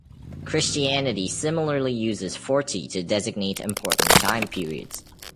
Christianity similarly uses forty to designate important time periods.